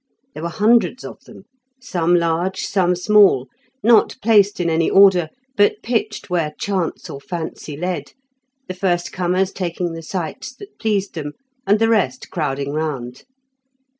There were hundreds of them, some large, some small, not placed in any order, but pitched where chance or fancy led, the first comers taking the sites that pleased them, and the rest crowding round.